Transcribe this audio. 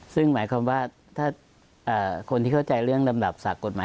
ซึ่งหมายความว่าถ้าคนที่เข้าใจเรื่องลำดับสากกฎหมาย